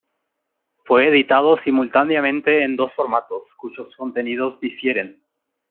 Fue editado simultáneamente en dos formatos, cuyos contenidos difieren.